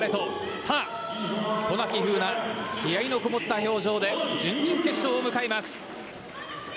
さあ、渡名喜風南気合のこもった表情で準々決勝を迎えます。